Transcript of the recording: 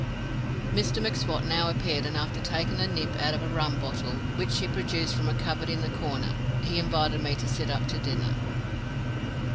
Mr M'Swat now appeared, and after taking a nip out of a rum bottle which he produced from a cupboard in the corner, he invited me to sit up to dinner.